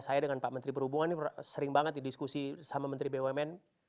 saya dengan pak menteri perhubungan ini sering banget didiskusi sama menteri bumn